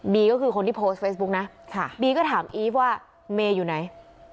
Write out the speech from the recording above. ก็คือคนที่โพสต์เฟซบุ๊กนะบีก็ถามอีฟว่าเมย์อยู่ไหน